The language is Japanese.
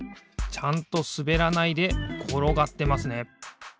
ちゃんとすべらないでころがってますね。